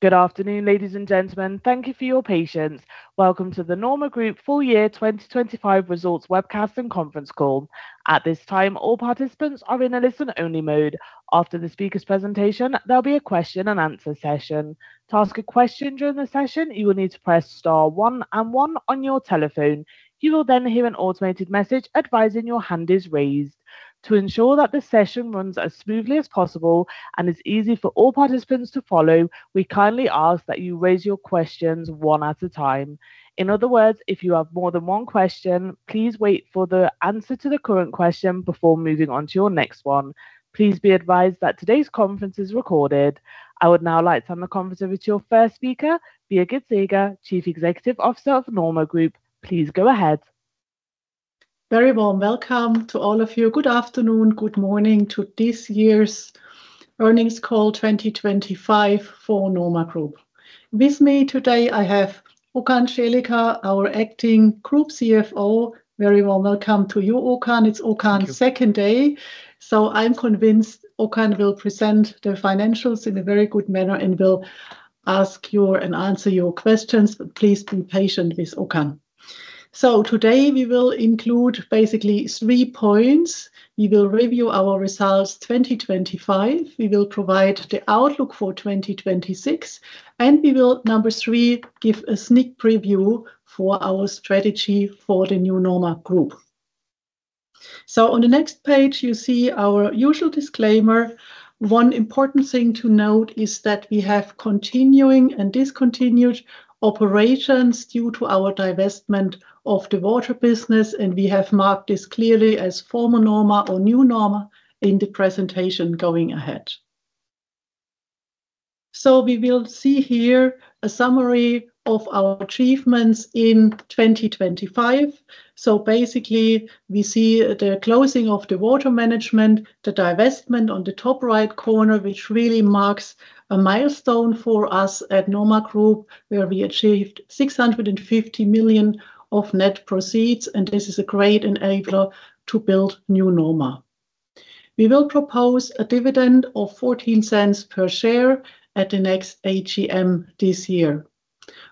Good afternoon, ladies and gentlemen. Thank you for your patience. Welcome to the NORMA Group Full Year 2025 Results Webcast and Conference Call. At this time, all participants are in a listen-only mode. After the speaker's presentation, there'll be a question and answer session. To ask a question during the session, you will need to press star one and one on your telephone. You will then hear an automated message advising your hand is raised. To ensure that the session runs as smoothly as possible and is easy for all participants to follow, we kindly ask that you raise your questions one at a time. In other words, if you have more than one question, please wait for the answer to the current question before moving on to your next one. Please be advised that today's conference is recorded. I would now like to hand the conference over to your first speaker, Birgit Seeger, Chief Executive Officer of NORMA Group. Please go ahead. Very warm welcome to all of you. Good afternoon, good morning to this year's earnings call 2025 for NORMA Group. With me today, I have Okan Celiker, our acting Group CFO. Very warm welcome to you, Okan. It's Okan's second day. Thank you. I'm convinced Okan will present the financials in a very good manner and will answer your questions. Please be patient with Okan. Today we will include basically three points. We will review our results 2025, we will provide the outlook for 2026, and we will, number three, give a sneak preview for our strategy for the NewNORMA Group. On the next page you see our usual disclaimer. One important thing to note is that we have continuing and discontinued operations due to our divestment of the water business, and we have marked this clearly as former NORMA or NewNORMA in the presentation going ahead. We will see here a summary of our achievements in 2025. Basically, we see the closing of the Water Management, the divestment on the top right corner, which really marks a milestone for us at NORMA Group, where we achieved 650 million of net proceeds, and this is a great enabler to build NewNORMA. We will propose a dividend of 0.14 per share at the next AGM this year.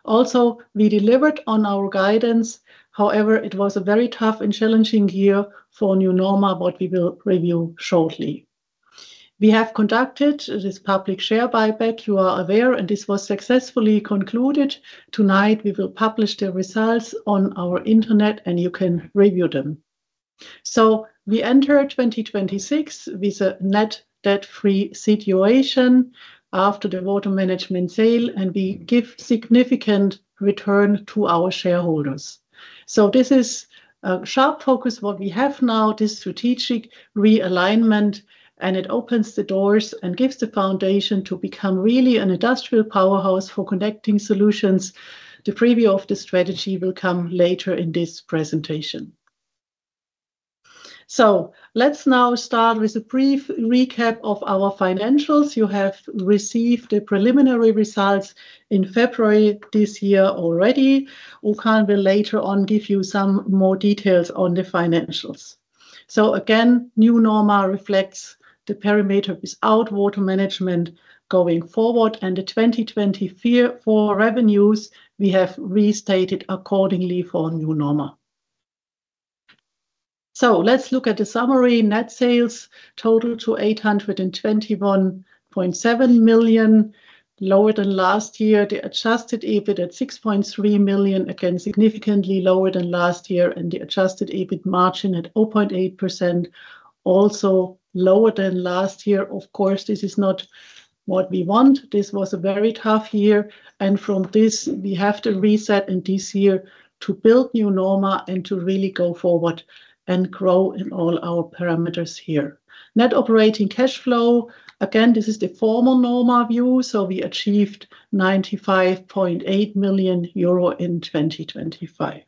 Also, we delivered on our guidance. However, it was a very tough and challenging year for NewNORMA, what we will review shortly. We have conducted this public share buyback, you are aware, and this was successfully concluded. Tonight we will publish the results on our internet and you can review them. We enter 2026 with a net debt-free situation after the Water Management sale, and we give significant return to our shareholders. This is a sharp focus what we have now, this strategic realignment, and it opens the doors and gives the foundation to become really an industrial powerhouse for Connecting Solutions. The preview of the strategy will come later in this presentation. Let's now start with a brief recap of our financials. You have received the preliminary results in February this year already. Okan will later on give you some more details on the financials. NewNORMA reflects the perimeter without Water Management going forward. The 2024 revenues, we have restated accordingly for NewNORMA. Let's look at the summary. Net sales total 821.7 million, lower than last year. The adjusted EBIT at 6.3 million, again, significantly lower than last year. The adjusted EBIT margin at 0.8%, also lower than last year. Of course, this is not what we want. This was a very tough year. From this we have to reset in this year to build NewNORMA and to really go forward and grow in all our parameters here. Net operating cash flow, again, this is the former NORMA view. We achieved 95.8 million euro in 2025.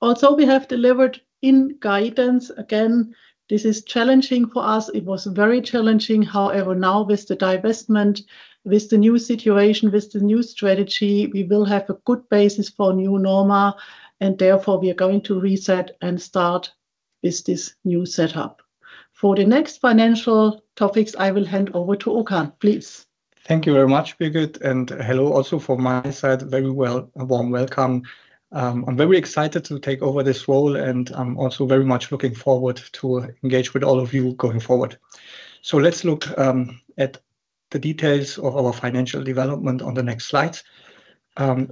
Also we have delivered in guidance. Again, this is challenging for us. It was very challenging. However, now with the divestment, with the new situation, with the new strategy, we will have a good basis for NewNORMA and therefore we are going to reset and start with this new setup. For the next financial topics, I will hand over to Okan, please. Thank you very much, Birgit, and hello also from my side. Very well. Warm welcome. I'm very excited to take over this role, and I'm also very much looking forward to engage with all of you going forward. Let's look at the details of our financial development on the next slides.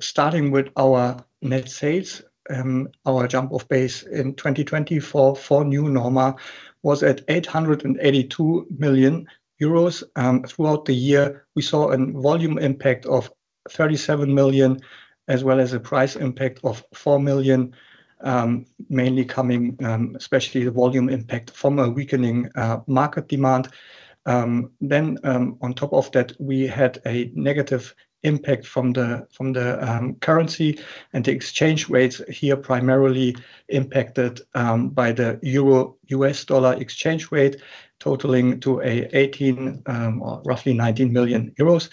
Starting with our net sales, our jump-off base in 2024 for NewNORMA was at 882 million euros. Throughout the year, we saw a volume impact of 37 million as well as a price impact of 4 million, mainly coming, especially the volume impact from a weakening market demand. On top of that, we had a negative impact from the currency and the exchange rates here primarily impacted by the euro-U.S. dollar exchange rate totaling to 18 million or roughly 19 million euros,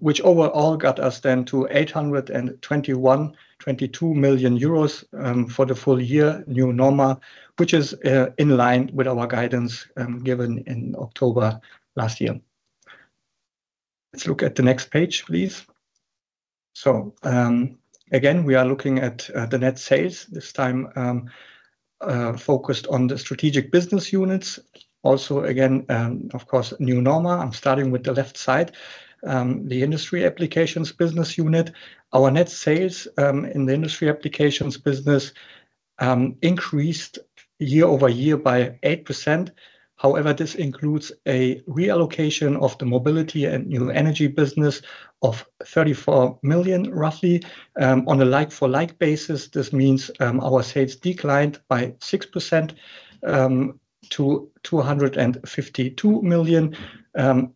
which overall got us to 821 million-822 million euros for the full-year NewNORMA, which is in line with our guidance given in October last year. Let's look at the next page, please. Again, we are looking at the net sales, this time focused on the strategic business units. Also again, of course, NewNORMA. I'm starting with the left side. The Industry Applications business unit. Our net sales in the Industry Applications business increased year-over-year by 8%. However, this includes a reallocation of the Mobility and New Energy business of 34 million, roughly. On a like-for-like basis, this means our sales declined by 6% to 252 million.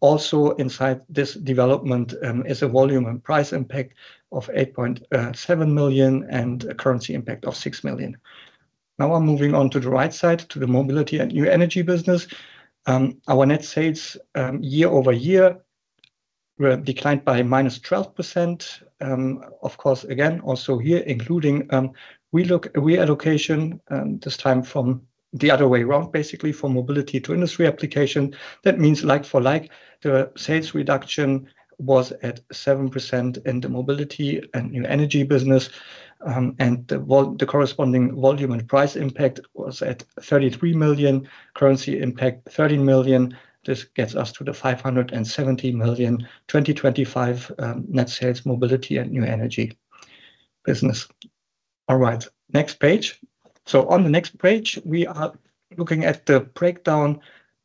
Also inside this development is a volume and price impact of 8.7 million and a currency impact of 6 million. Now I'm moving on to the right side, to the Mobility and New Energy business. Our net sales year-over-year were declined by -12%. Of course, again, also here including reallocation, this time from the other way around, basically from Mobility to Industry Applications. That means like-for-like, the sales reduction was at 7% in the Mobility and New Energy business. The corresponding volume and price impact was at 33 million, currency impact 13 million. This gets us to the 570 million 2025 net sales Mobility and New Energy business. All right. Next page. On the next page, we are looking at the breakdown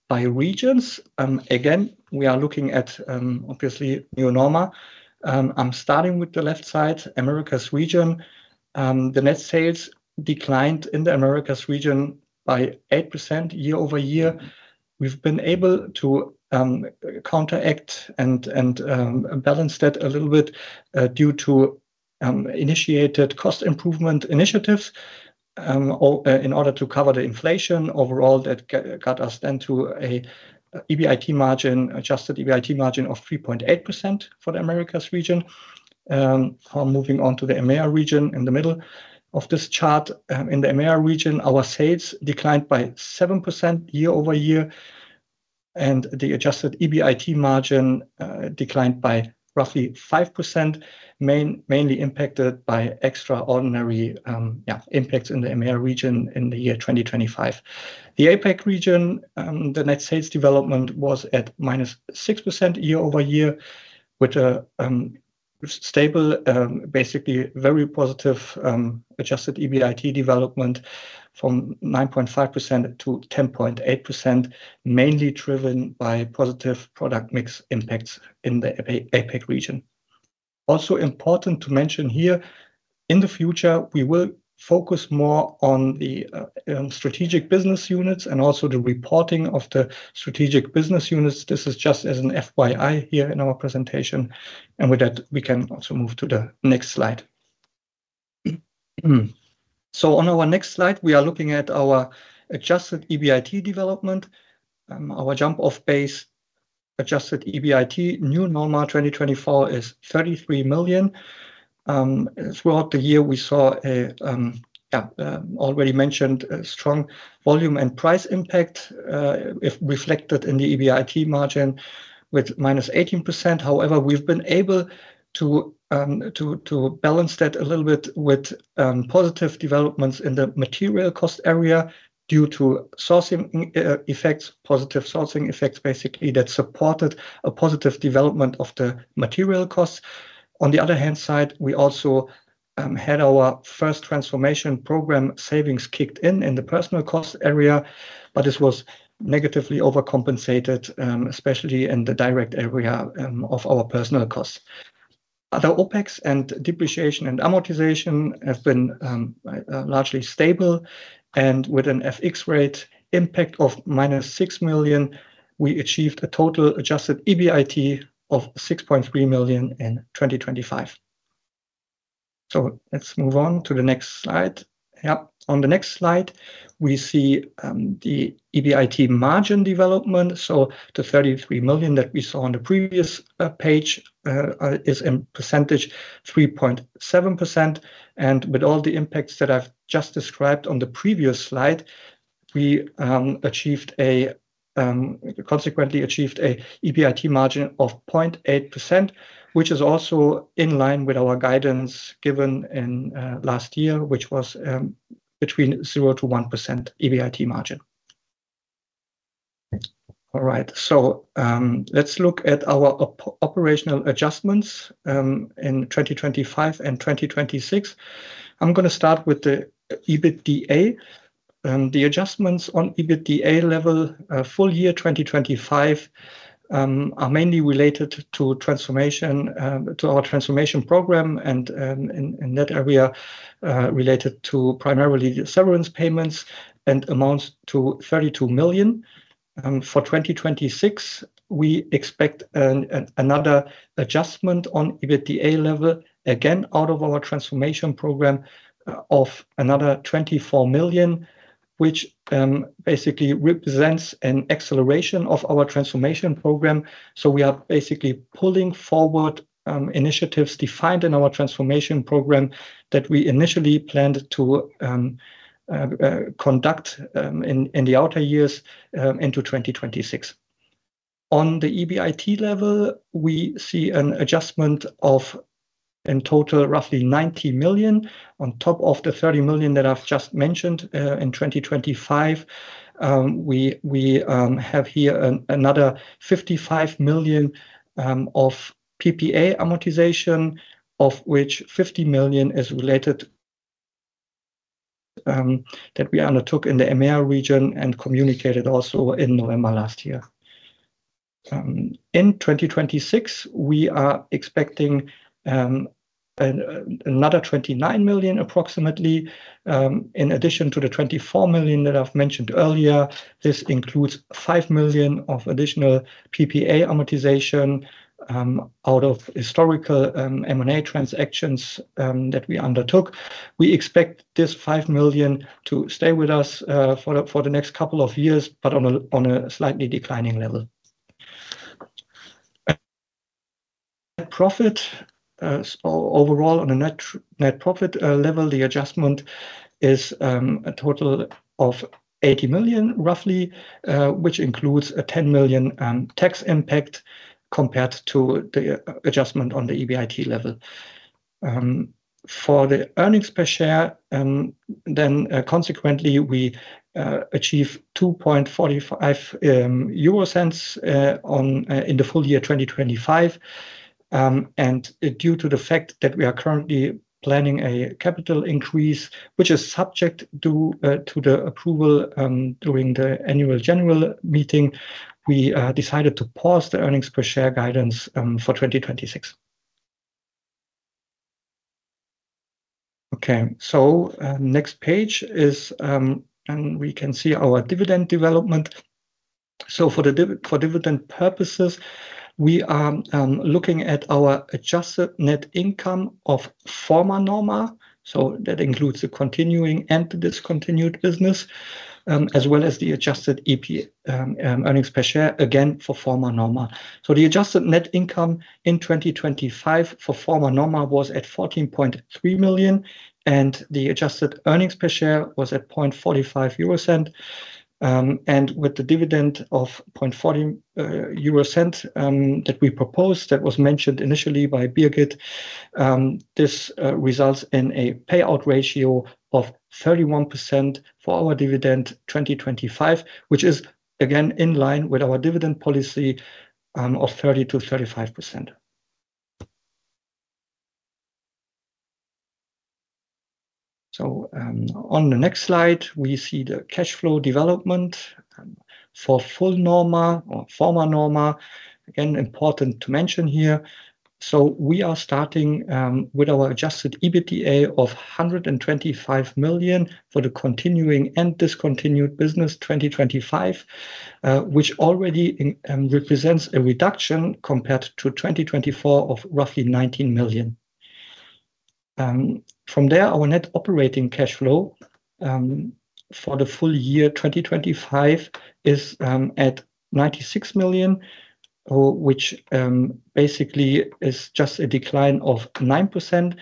by regions. Again, we are looking at obviously NewNORMA. I'm starting with the left side, Americas region. The net sales declined in the Americas region by 8% year-over-year. We've been able to counteract and balance that a little bit due to initiated cost improvement initiatives in order to cover the inflation. Overall, that got us then to an adjusted EBIT margin of 3.8% for the Americas region. Now moving on to the EMEA region in the middle of this chart. In the EMEA region, our sales declined by 7% year-over-year, and the adjusted EBIT margin declined by roughly 5%, mainly impacted by extraordinary impacts in the EMEA region in the year 2025. The APAC region, the net sales development was at -6% year-over-year, which are stable, basically very positive, adjusted EBIT development from 9.5% to 10.8%, mainly driven by positive product mix impacts in the APAC region. Also important to mention here, in the future, we will focus more on the strategic business units and also the reporting of the strategic business units. This is just as an FYI here in our presentation, and with that, we can also move to the next slide. On our next slide, we are looking at our adjusted EBIT development. Our jump off base adjusted EBIT NewNORMA 2024 is 33 million. Throughout the year, we saw already mentioned a strong volume and price impact is reflected in the EBIT margin with -18%. However, we've been able to balance that a little bit with positive developments in the material cost area due to positive sourcing effects, basically, that supported a positive development of the material costs. On the other hand side, we also had our first transformation program savings kicked in in the personnel cost area, but this was negatively overcompensated, especially in the direct area of our personnel costs. Other OPEX and depreciation and amortization have been largely stable. With an FX rate impact of -6 million, we achieved a total adjusted EBIT of 6.3 million in 2025. Let's move on to the next slide. On the next slide, we see the EBIT margin development. The 33 million that we saw on the previous page is 3.7%. With all the impacts that I've just described on the previous slide, we consequently achieved an EBIT margin of 0.8%, which is also in line with our guidance given in last year, which was between 0%-1% EBIT margin. All right. Let's look at our operational adjustments in 2025 and 2026. I'm gonna start with the EBITDA. The adjustments on EBITDA level, full year 2025, are mainly related to our transformation program and in that area related primarily to severance payments and amounts to 32 million. For 2026, we expect another adjustment on EBITDA level, again, out of our transformation program, of another 24 million, which basically represents an acceleration of our transformation program. We are basically pulling forward initiatives defined in our transformation program that we initially planned to conduct in the outer years into 2026. On the EBIT level, we see an adjustment of, in total, roughly 90 million on top of the 30 million that I've just mentioned in 2025. We have here another 55 million of PPA amortization, of which 50 million is related that we undertook in the EMEA region and communicated also in November last year. In 2026, we are expecting another 29 million approximately in addition to the 24 million that I've mentioned earlier. This includes 5 million of additional PPA amortization out of historical M&A transactions that we undertook. We expect this 5 million to stay with us for the next couple of years, but on a slightly declining level. Net profit. Overall, on a net profit level, the adjustment is a total of 80 million, roughly, which includes a 10 million tax impact compared to the adjustment on the EBIT level. For the earnings per share, consequently, we achieve 2.45 euro cents in the full year 2025. Due to the fact that we are currently planning a capital increase, which is subject to the approval during the annual general meeting, we decided to pause the earnings per share guidance for 2026. Next page is, and we can see our dividend development. For dividend purposes, we are looking at our adjusted net income of former NORMA. That includes the continuing and discontinued business, as well as the adjusted EPS, again, for former NORMA. The adjusted net income in 2025 for former NORMA was at 14.3 million, and the adjusted earnings per share was at 0.45 euro cent. With the dividend of 0.40 euro cent that we proposed, that was mentioned initially by Birgit, this results in a payout ratio of 31% for our dividend 2025, which is again in line with our dividend policy of 30%-35%. On the next slide, we see the cash flow development for full NORMA or former NORMA. Again, important to mention here. We are starting with our adjusted EBITDA of 125 million for the continuing and discontinued business 2025, which already represents a reduction compared to 2024 of roughly 19 million. From there, our net operating cash flow for the full year 2025 is at 96 million, which basically is just a decline of 9%.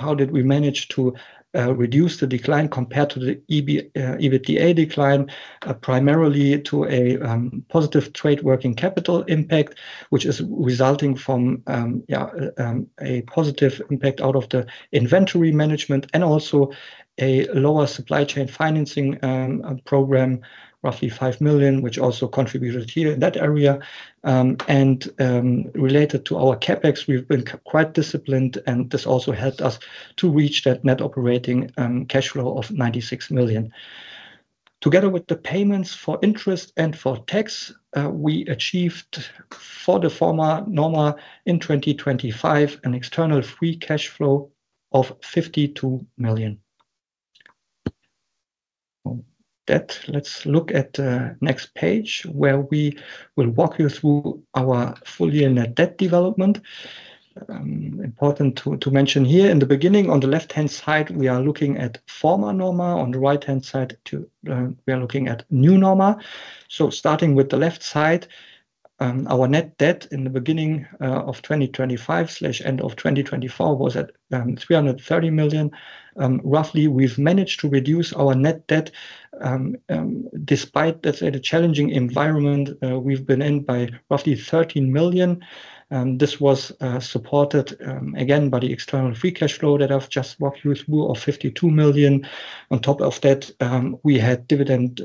How did we manage to reduce the decline compared to the EBITDA decline? Primarily due to a positive trade working capital impact, which is resulting from a positive impact out of the inventory management and also a lower supply chain financing program, roughly 5 million, which also contributed here in that area. Related to our CapEx, we've been quite disciplined, and this also helped us to reach that net operating cash flow of 96 million. Together with the payments for interest and for tax, we achieved for the former NORMA in 2025 an external free cash flow of 52 million. With that, let's look at the next page where we will walk you through our full year net debt development. Important to mention here, in the beginning on the left-hand side, we are looking at former NORMA. On the right-hand side, we are looking at NewNORMA. Starting with the left side, our net debt in the beginning of 2025/end of 2024 was at 330 million. Roughly, we've managed to reduce our net debt, despite let's say the challenging environment we've been in by roughly 13 million. This was supported, again by the external free cash flow that I've just walked you through of 52 million. On top of that, we had dividend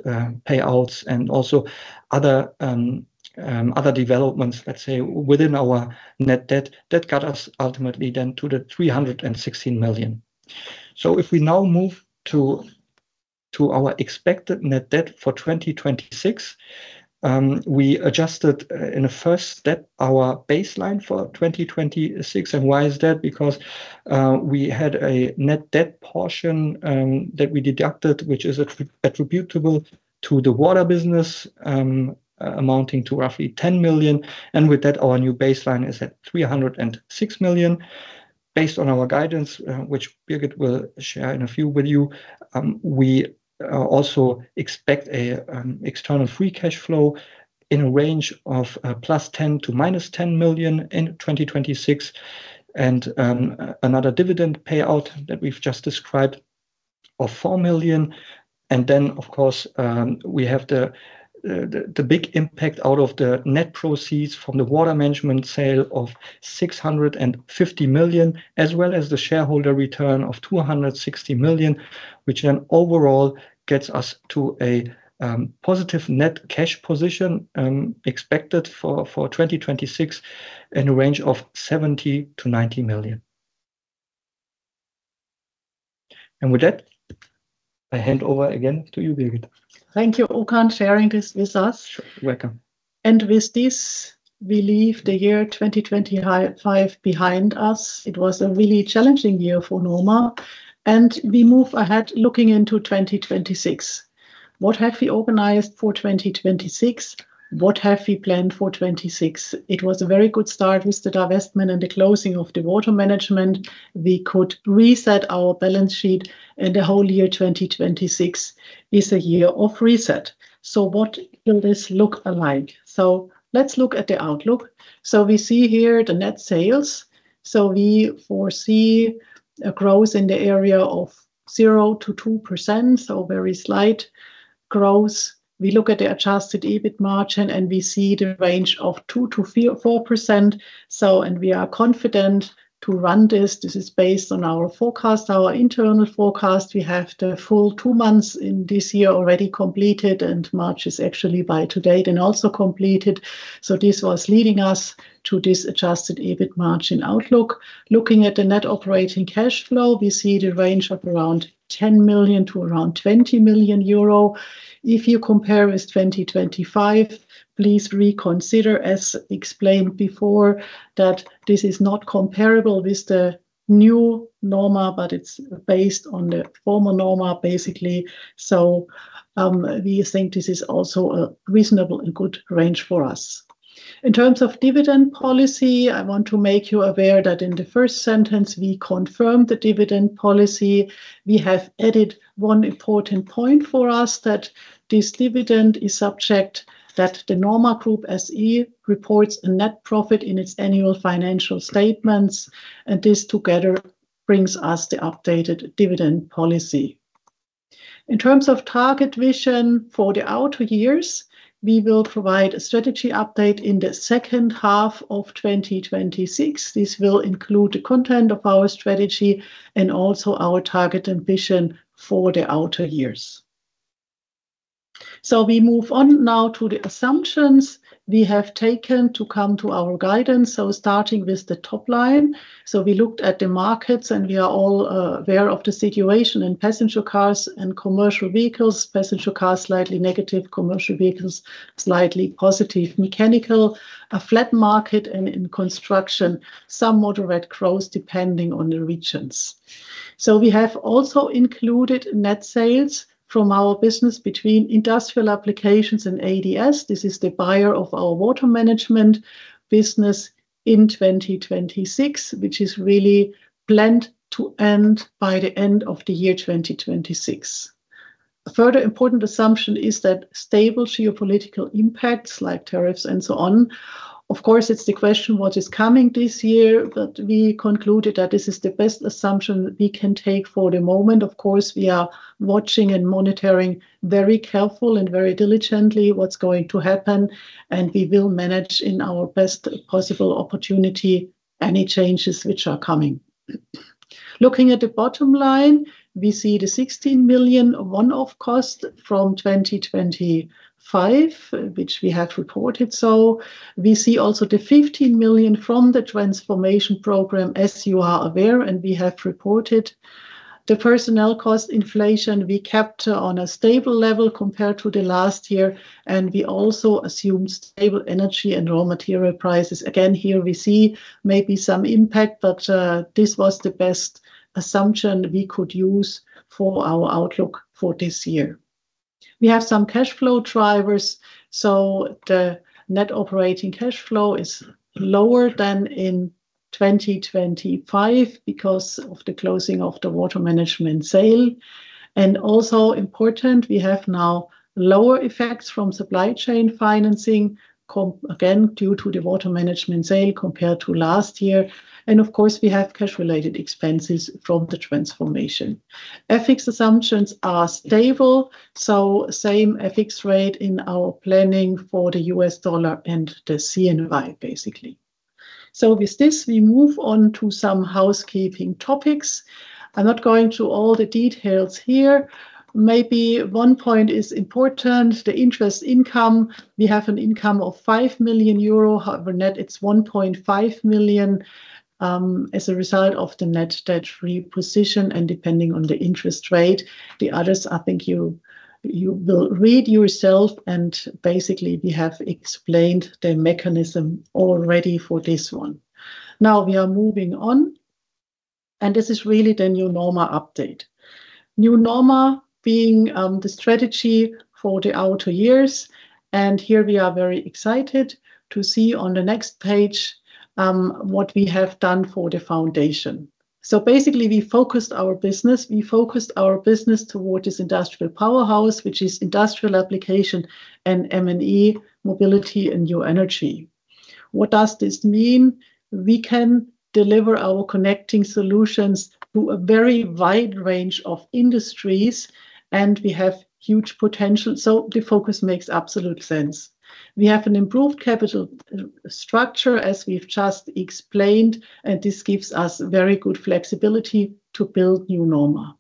payouts and also other developments, let's say within our net debt. That got us ultimately then to the 316 million. So if we now move to our expected net debt for 2026, we adjusted in the first step our baseline for 2026. Why is that? Because, we had a net debt portion, that we deducted which is attributable to the water business, amounting to roughly 10 million. With that, our new baseline is at 306 million. Based on our guidance, which Birgit will share in a few with you, we also expect external free cash flow in a range of +10 million to -10 million in 2026. Another dividend payout that we've just described of 4 million. Of course, we have the big impact out of the net proceeds from the Water Management sale of 650 million, as well as the shareholder return of 260 million, which then overall gets us to a positive net cash position expected for 2026 in a range of 70 million-90 million. With that, I hand over again to you, Birgit. Thank you, Okan, for sharing this with us. Sure. You're welcome. With this, we leave the year 2025 behind us. It was a really challenging year for NORMA, and we move ahead looking into 2026. What have we organized for 2026? What have we planned for 2026? It was a very good start with the divestment and the closing of the Water Management. We could reset our balance sheet, and the whole year 2026 is a year of reset. What will this look like? Let's look at the outlook. We see here the net sales. We foresee a growth in the area of 0%-2%, so very slight growth. We look at the adjusted EBIT margin, and we see the range of 2%-4%. We are confident to run this. This is based on our forecast, our internal forecast. We have the full two months in this year already completed, and March is actually up to date and also completed. This was leading us to this adjusted EBIT margin outlook. Looking at the net operating cash flow, we see the range of around 10 million-20 million euro. If you compare with 2025, please reconsider, as explained before, that this is not comparable with the NewNORMA, but it's based on the former NORMA, basically. We think this is also a reasonable and good range for us. In terms of dividend policy, I want to make you aware that in the first sentence we confirmed the dividend policy. We have added one important point for us that this dividend is subject that the NORMA Group SE reports a net profit in its annual financial statements, and this together brings us the updated dividend policy. In terms of target vision for the outer years, we will provide a strategy update in the second half of 2026. This will include the content of our strategy and also our target and vision for the outer years. We move on now to the assumptions we have taken to come to our guidance. Starting with the top line. We looked at the markets, and we are all aware of the situation in passenger cars and commercial vehicles. Passenger cars slightly negative, commercial vehicles slightly positive. Mechanical, a flat market, and in construction, some moderate growth depending on the regions. We have also included net sales from our business between Industry Applications and ADS. This is the buyer of our Water Management business in 2026, which is really planned to end by the end of the year 2026. A further important assumption is that stable geopolitical impacts like tariffs and so on. Of course, it's the question what is coming this year, but we concluded that this is the best assumption we can take for the moment. Of course, we are watching and monitoring very careful and very diligently what's going to happen, and we will manage in our best possible opportunity any changes which are coming. Looking at the bottom line, we see the 16 million one-off cost from 2025, which we have reported. We see also the 15 million from the transformation program, as you are aware, and we have reported. The personnel cost inflation, we kept on a stable level compared to the last year, and we also assume stable energy and raw material prices. Again, here we see maybe some impact, but this was the best assumption we could use for our outlook for this year. We have some cash flow drivers, so the net operating cash flow is lower than in 2025 because of the closing of the Water Management sale. Also important, we have now lower effects from supply chain financing again, due to the Water Management sale compared to last year. Of course, we have cash-related expenses from the transformation. FX assumptions are stable, so same FX rate in our planning for the U.S. dollar and the CNY, basically. With this, we move on to some housekeeping topics. I'm not going into all the details here. Maybe one point is important, the interest income. We have an income of 5 million euro. However, net it's 1.5 million, as a result of the net debt free position and depending on the interest rate. The others, I think you will read yourself and basically we have explained the mechanism already for this one. Now we are moving on, and this is really the NewNORMA update. NewNORMA being, the strategy for the outer years, and here we are very excited to see on the next page, what we have done for the foundation. Basically we focused our business. We focused our business towards this industrial powerhouse, which is Industry Applications and M&E, Mobility and New Energy. What does this mean? We can deliver our Connecting solutions to a very wide range of industries, and we have huge potential. The focus makes absolute sense. We have an improved capital structure as we've just explained, and this gives us very good flexibility to build NewNORMA.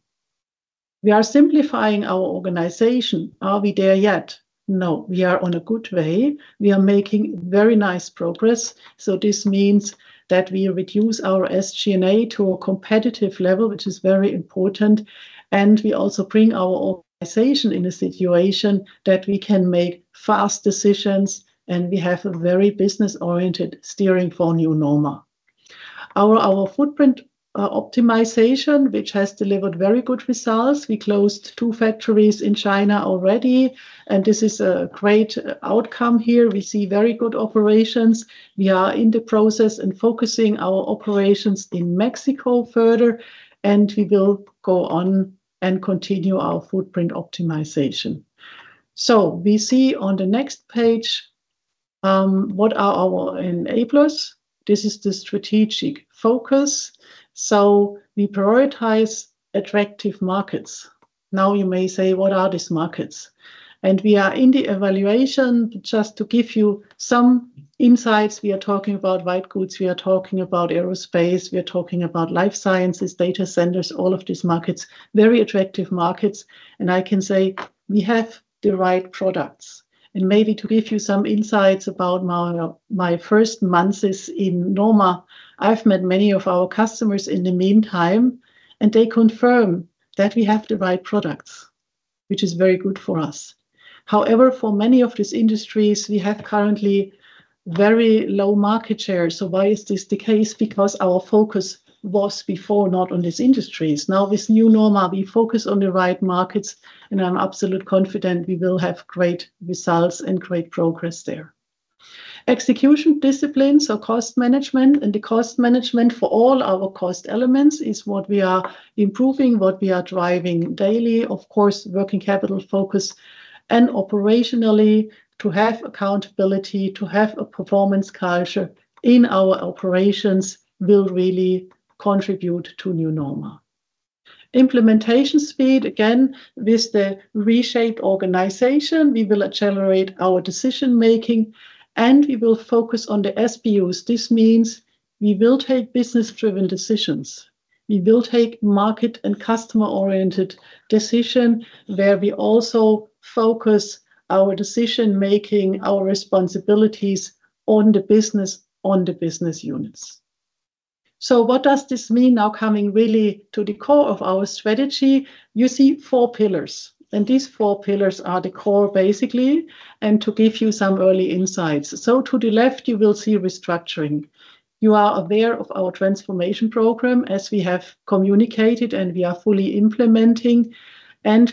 We are simplifying our organization. Are we there yet? No. We are on a good way. We are making very nice progress. This means that we reduce our SG&A to a competitive level, which is very important, and we also bring our organization in a situation that we can make fast decisions, and we have a very business-oriented steering for NewNORMA. Our footprint optimization, which has delivered very good results. We closed two factories in China already, and this is a great outcome here. We see very good operations. We are in the process and focusing our operations in Mexico further, and we will go on and continue our footprint optimization. We see on the next page, what are our enablers. This is the strategic focus. We prioritize attractive markets. Now you may say, "What are these markets?" We are in the evaluation. Just to give you some insights, we are talking about white goods, we are talking about aerospace, we are talking about life sciences, data centers, all of these markets, very attractive markets. I can say we have the right products. Maybe to give you some insights about my first months is in NORMA, I've met many of our customers in the meantime, and they confirm that we have the right products, which is very good for us. However, for many of these industries, we have currently very low market share. Why is this the case? Because our focus was before not on these industries. Now with NewNORMA, we focus on the right markets, and I'm absolutely confident we will have great results and great progress there. Execution discipline, cost management. The cost management for all our cost elements is what we are improving, what we are driving daily. Of course, working capital focus and operationally to have accountability, to have a performance culture in our operations will really contribute to NewNORMA. Implementation speed, again, with the reshaped organization, we will accelerate our decision-making, and we will focus on the SBUs. This means we will take business-driven decisions. We will take market and customer-oriented decisions, where we also focus our decision-making, our responsibilities on the business, on the business units. What does this mean now coming really to the core of our strategy? You see four pillars, and these four pillars are the core, basically, and to give you some early insights. To the left, you will see restructuring. You are aware of our transformation program, as we have communicated, and we are fully implementing.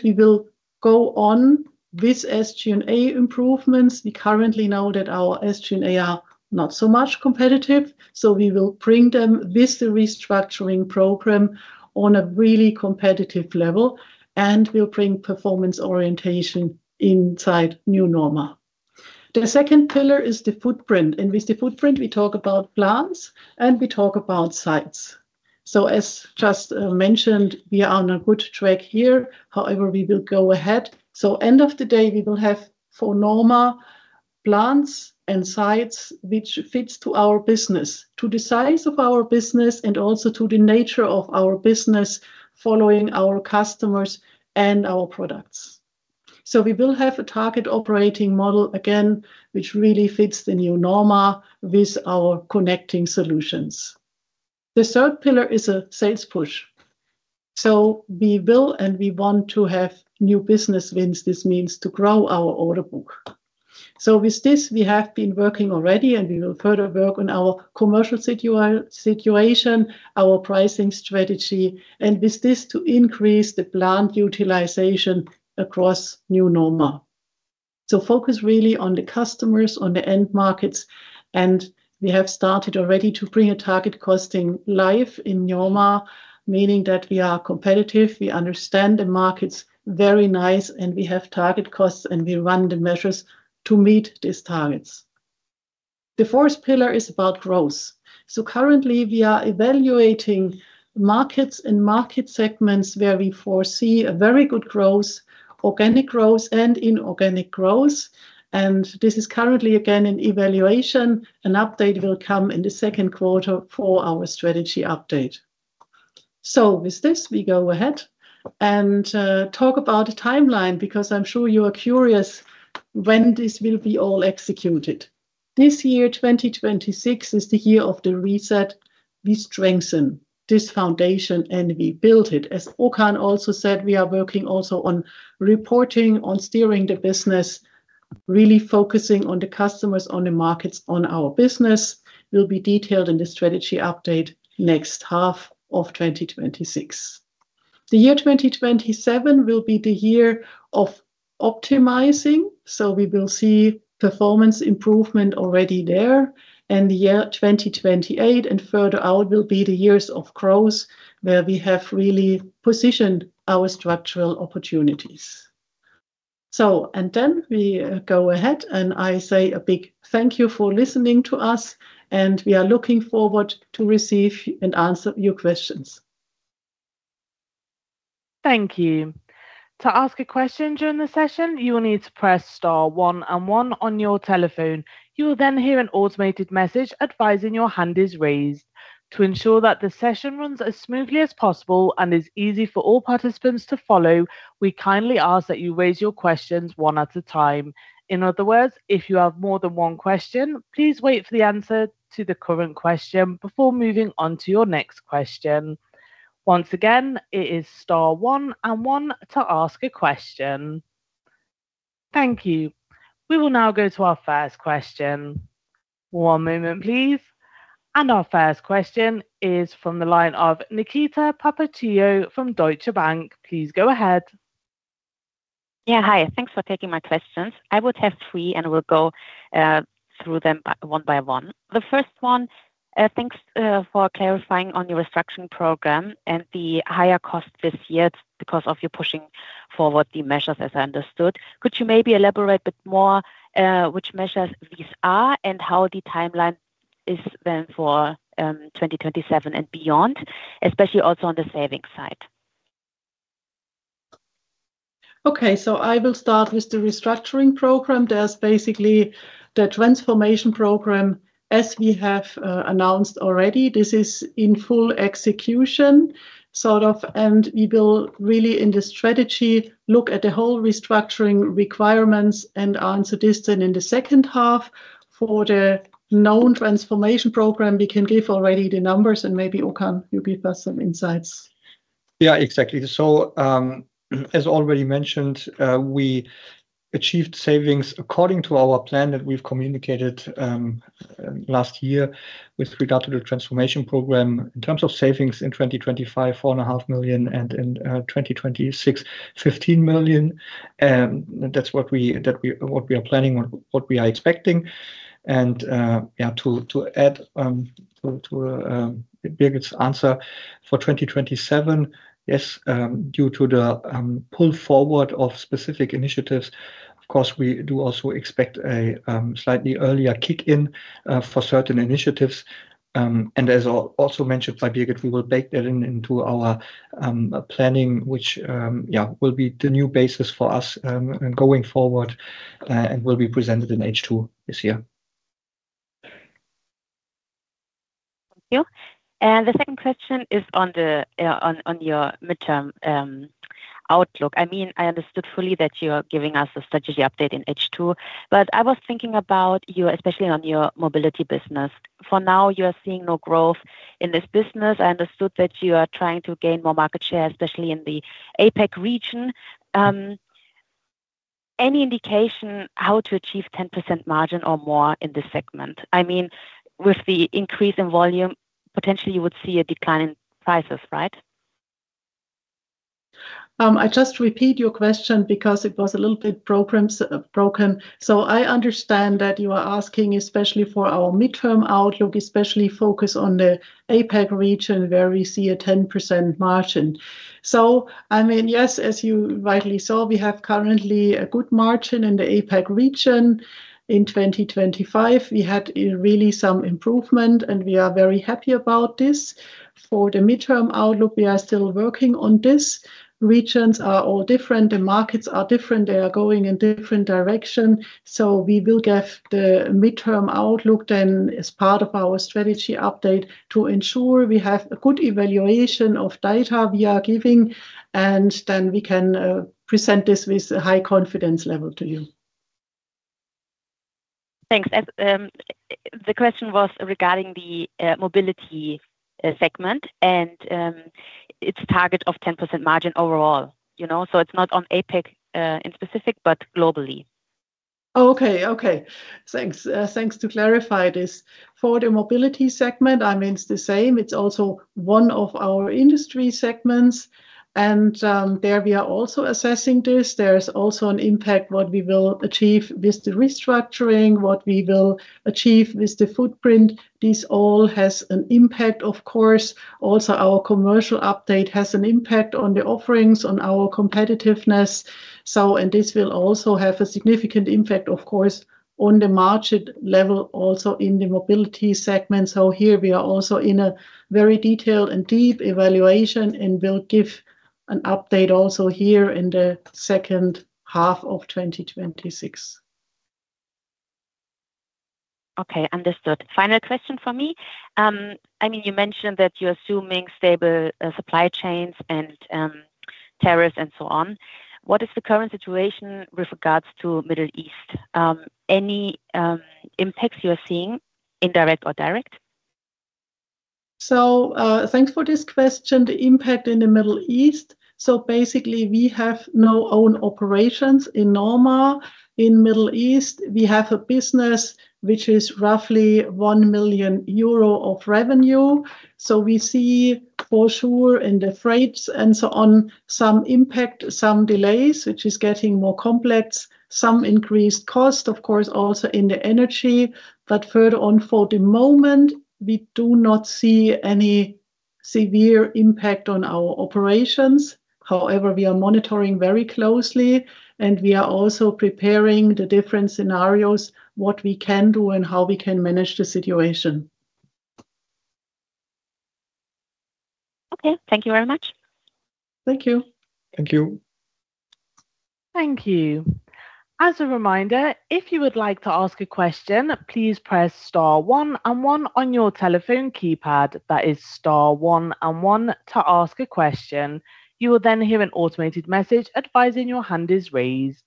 We will go on with SG&A improvements. We currently know that our SG&A are not so much competitive, so we will bring them with the restructuring program on a really competitive level, and we'll bring performance orientation inside NewNORMA. The second pillar is the footprint. With the footprint, we talk about plants, and we talk about sites. As just mentioned, we are on a good track here. However, we will go ahead. End of the day, we will have, for NORMA, plants and sites which fits to our business, to the size of our business and also to the nature of our business, following our customers and our products. We will have a target operating model again, which really fits the NewNORMA with our connecting solutions. The third pillar is a sales push. We will and we want to have new business wins. This means to grow our order book. With this, we have been working already, and we will further work on our commercial situation, our pricing strategy, and with this to increase the plant utilization across NewNORMA. Focus really on the customers, on the end markets, and we have started already to bring a Target costing live in NORMA, meaning that we are competitive, we understand the markets very nice, and we have target costs, and we run the measures to meet these targets. The fourth pillar is about growth. Currently we are evaluating markets and market segments where we foresee a very good growth, organic growth and inorganic growth. This is currently, again, in evaluation. An update will come in the second quarter for our strategy update. With this, we go ahead and talk about a timeline because I'm sure you are curious when this will be all executed. This year, 2026, is the year of the reset. We strengthen this foundation, and we build it. As Okan also said, we are working also on reporting, on steering the business, really focusing on the customers, on the markets, on our business, will be detailed in the strategy update second half of 2026. The year 2027 will be the year of optimizing, so we will see performance improvement already there. The year 2028 and further out will be the years of growth, where we have really positioned our structural opportunities. We go ahead, and I say a big thank you for listening to us, and we are looking forward to receive and answer your questions. Thank you. To ask a question during the session, you will need to press star one and one on your telephone. You will then hear an automated message advising your hand is raised. To ensure that the session runs as smoothly as possible and is easy for all participants to follow, we kindly ask that you raise your questions one at a time. In other words, if you have more than one question, please wait for the answer to the current question before moving on to your next question. Once again, it is star one and one to ask a question. Thank you. We will now go to our first question. One moment, please. Our first question is from the line of Nikita Papaccio from Deutsche Bank. Please go ahead. Yeah. Hi. Thanks for taking my questions. I would have three, and we'll go through them one by one. The first one, thanks for clarifying on your restructuring program and the higher cost this year because of you pushing forward the measures, as I understood. Could you maybe elaborate bit more, which measures these are and how the timeline is then for 2027 and beyond, especially also on the savings side? Okay, I will start with the restructuring program. There's basically the transformation program as we have announced already. This is in full execution, sort of, and we will really, in the strategy, look at the whole restructuring requirements and answer this then in the second half. For the known transformation program, we can give already the numbers and maybe, Okan, you give us some insights. Yeah, exactly. As already mentioned, we achieved savings according to our plan that we've communicated last year with regard to the transformation program. In terms of savings in 2025, 4.5 million, and in 2026, 15 million. That's what we are planning or what we are expecting. Yeah, to add to Birgit's answer, for 2027, yes, due to the pull forward of specific initiatives, of course, we do also expect a slightly earlier kick in for certain initiatives. As also mentioned by Birgit, we will bake that in into our planning, which yeah, will be the new basis for us going forward and will be presented in H2 this year. Thank you. The second question is on your midterm outlook. I mean, I understood fully that you are giving us a strategy update in H2, but I was thinking about you, especially on your mobility business. For now, you are seeing no growth in this business. I understood that you are trying to gain more market share, especially in the APAC region. Any indication how to achieve 10% margin or more in this segment? I mean, with the increase in volume, potentially you would see a decline in prices, right? I just repeat your question because it was a little bit broken. I understand that you are asking especially for our midterm outlook, especially focus on the APAC region where we see a 10% margin. I mean, yes, as you rightly saw, we have currently a good margin in the APAC region. In 2025, we had really some improvement, and we are very happy about this. For the midterm outlook, we are still working on this. Regions are all different. The markets are different. They are going in different direction. We will give the midterm outlook then as part of our strategy update to ensure we have a good evaluation of data we are giving, and then we can present this with a high confidence level to you. Thanks. As the question was regarding the mobility segment and its target of 10% margin overall. You know? It's not on APAC in specific, but globally. Okay. Thanks. Thanks for clarifying this. For the mobility segment, I mean, it's the same. It's also one of our industry segments and there we are also assessing this. There is also an impact what we will achieve with the restructuring, what we will achieve with the footprint. This all has an impact of course. Also our commercial update has an impact on the offerings, on our competitiveness. This will also have a significant impact, of course, on the margin level also in the mobility segment. Here we are also in a very detailed and deep evaluation and will give an update also here in the second half of 2026. Okay. Understood. Final question from me. I mean, you mentioned that you're assuming stable supply chains and tariffs and so on. What is the current situation with regards to Middle East? Any impacts you are seeing, indirect or direct? Thanks for this question. The impact in the Middle East. Basically we have no own operations in NORMA in Middle East. We have a business which is roughly 1 million euro of revenue. We see for sure in the freights and so on some impact, some delays, which is getting more complex, some increased cost of course also in the energy. Further on for the moment, we do not see any severe impact on our operations. However, we are monitoring very closely and we are also preparing the different scenarios, what we can do and how we can manage the situation. Okay. Thank you very much. Thank you. Thank you. Thank you. As a reminder, if you would like to ask a question, please press star one and one on your telephone keypad. That is star one and one to ask a question. You will then hear an automated message advising your hand is raised.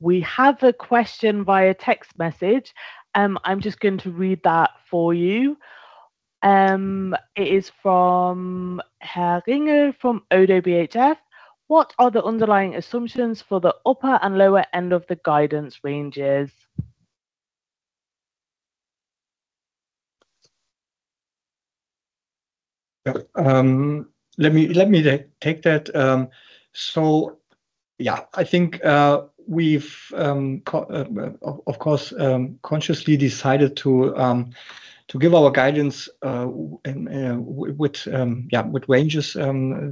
We have a question via text message. I'm just going to read that for you. It is from Harald Eggeling from ODDO BHF. What are the underlying assumptions for the upper and lower end of the guidance ranges? Yeah. Let me take that. I think we've of course consciously decided to give our guidance with ranges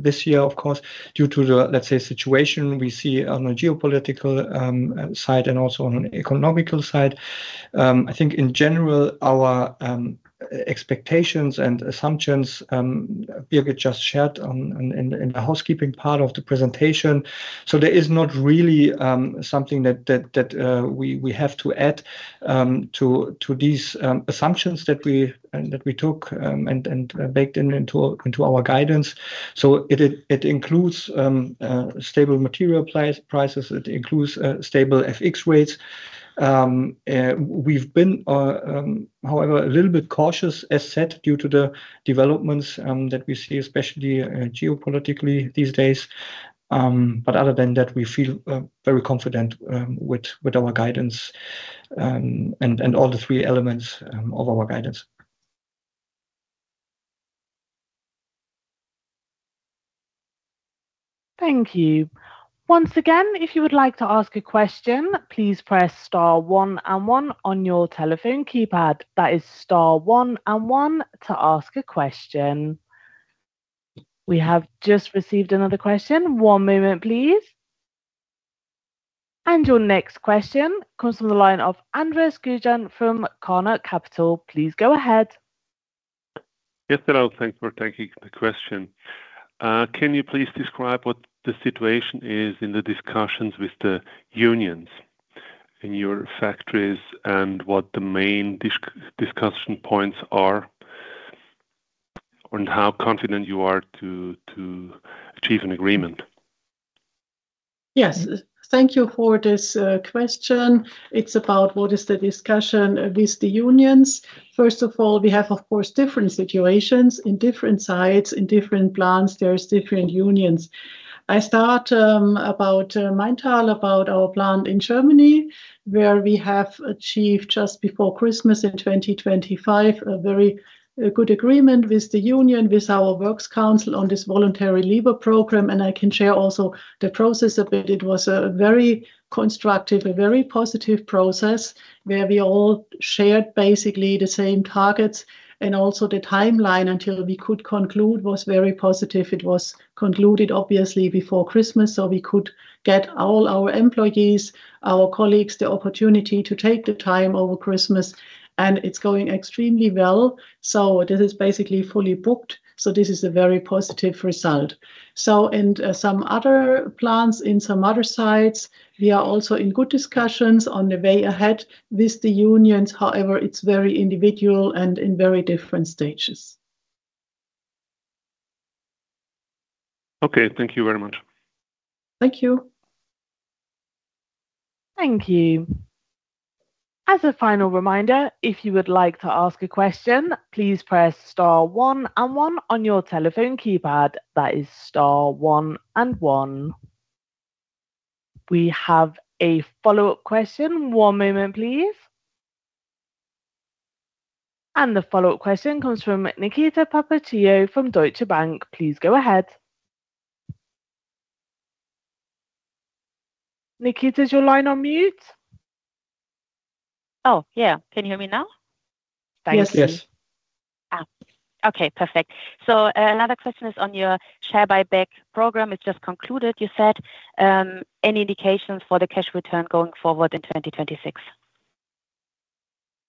this year of course due to the, let's say, situation we see on a geopolitical side and also on an economic side. I think in general our expectations and assumptions Birgit just shared in the housekeeping part of the presentation. There is not really something that we have to add to these assumptions that we took and baked into our guidance. It includes stable material prices. It includes stable FX rates. We've been, however, a little bit cautious as said due to the developments that we see especially geopolitically these days. Other than that, we feel very confident with our guidance and all the three elements of our guidance. Thank you. We have just received another question. One moment, please. Your next question comes from the line of Andres Gujan from Carnot Capital. Please go ahead. Yes. Hello. Thanks for taking the question. Can you please describe what the situation is in the discussions with the unions in your factories and what the main discussion points are, and how confident you are to achieve an agreement? Yes. Thank you for this question. It's about what is the discussion with the unions. First of all, we have, of course, different situations in different sites. In different plants, there's different unions. I start about Maintal, about our plant in Germany, where we have achieved just before Christmas in 2025 a very good agreement with the union, with our works council on this voluntary leave program. I can share also the process of it. It was a very constructive, a very positive process where we all shared basically the same targets and also the timeline until we could conclude was very positive. It was concluded obviously before Christmas, so we could get all our employees, our colleagues, the opportunity to take the time over Christmas, and it's going extremely well. This is basically fully booked, so this is a very positive result. in some other plants in some other sites, we are also in good discussions on the way ahead with the unions. However, it's very individual and in very different stages. Okay. Thank you very much. Thank you. Thank you. As a final reminder, if you would like to ask a question, please press star one and one on your telephone keypad. That is star one and one. We have a follow-up question. One moment, please. The follow-up question comes from Nikita Papaccio from Deutsche Bank. Please go ahead. Nikita, is your line on mute? Oh, yeah. Can you hear me now? Yes. Yes. Okay. Perfect. Another question is on your share buyback program. It just concluded, you said, any indications for the cash return going forward in 2026?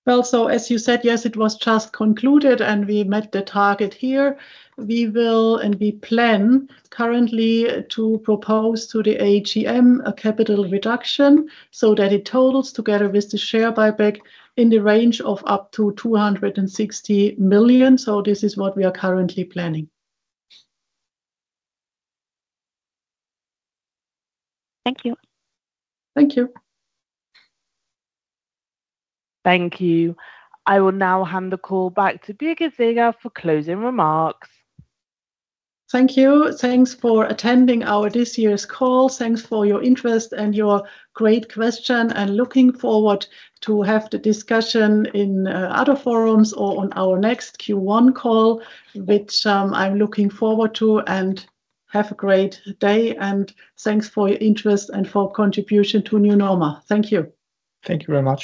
Well, as you said, yes, it was just concluded, and we met the target here. We will, and we plan currently to propose to the AGM a capital reduction so that it totals together with the share buyback in the range of up to 260 million. This is what we are currently planning. Thank you. Thank you. Thank you. I will now hand the call back to Birgit Seeger for closing remarks. Thank you. Thanks for attending our this year's call. Thanks for your interest and your great question, and looking forward to have the discussion in other forums or on our next Q1 call, which I'm looking forward to. Have a great day, and thanks for your interest and for contribution to NewNORMA. Thank you. Thank you very much.